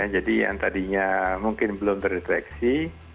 jadi yang tadinya mungkin belum terdeteksi